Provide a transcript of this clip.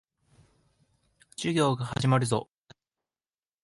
授業が始まるぞ。